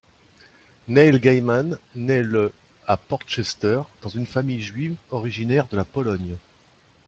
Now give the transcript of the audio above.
Neil Gaiman naît le à Portchester, dans une famille juive originaire de la Pologne.